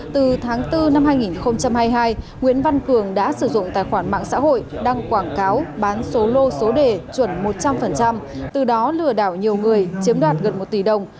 từ tháng bốn năm hai nghìn hai mươi hai nguyễn văn cường đã sử dụng tài khoản mạng xã hội đăng quảng cáo bán số lô số đề chuẩn một trăm linh từ đó lừa đảo nhiều người chiếm đoạt gần một tỷ đồng